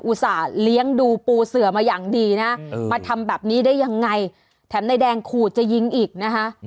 เลี้ยงดูปูเสือมาอย่างดีนะมาทำแบบนี้ได้ยังไงแถมนายแดงขู่จะยิงอีกนะคะ